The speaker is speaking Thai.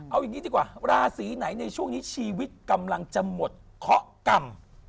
เอาอย่างนี้ดีกว่าราศีไหนในช่วงนี้ชีวิตกำลังจะหมดเคาะกรรม